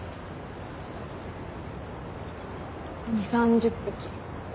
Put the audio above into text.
２０３０匹。